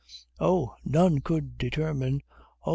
Oh! none could determine, oh!